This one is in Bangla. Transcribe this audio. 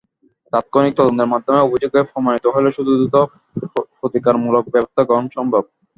তাৎক্ষণিক তদন্তের মাধ্যমে অভিযোগ প্রমাণিত হলেই শুধু দ্রুত প্রতিকারমূলক ব্যবস্থা গ্রহণ সম্ভব।